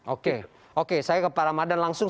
oke oke saya ke pak ramadhan langsung